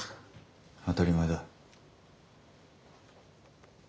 当たり前だ。